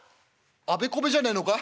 「あべこべじゃねえのか？」。